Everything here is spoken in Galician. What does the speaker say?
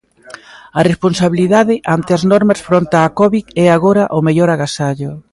A responsabilidade ante as normas fronte a Covid é agora o mellor agasallo.